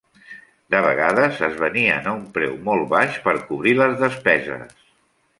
De vegades, es venien a un preu molt baix, per cobrir les despeses.